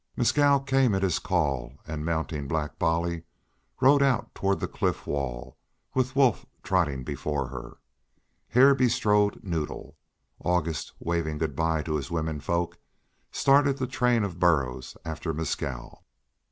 Mescal came at his call and, mounting Black Bolly, rode out toward the cliff wall, with Wolf trotting before her. Hare bestrode Noddle. August, waving good bye to his women folk, started the train of burros after Mescal.